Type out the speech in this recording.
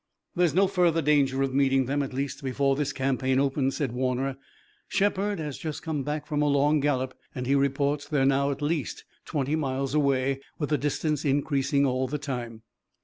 "There's no further danger of meeting them, at least before this campaign opens," said Warner. "Shepard has just come back from a long gallop and he reports that they are now at least twenty miles away, with the distance increasing all the time."